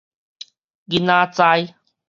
囡仔栽